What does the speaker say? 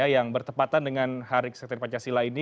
yang bertepatan dengan hari kesektif pancasila ini